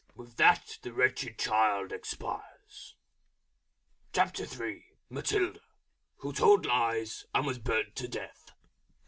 With that the Wretched Child expires. MATILDA, _Who told Lies, and was Burned to Death.